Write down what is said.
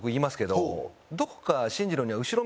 どこか。